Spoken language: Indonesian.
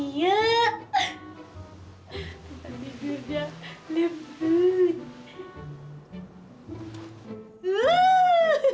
tidak bisa tidur